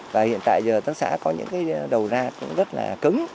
và hiện tại giờ tác xã có những cây đầu ra rất là cứng